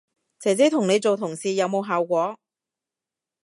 姐姐同你做同事有冇效果